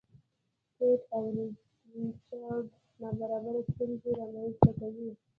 کیټ او ریچارډ نابرابري ستونزې رامنځته کوي.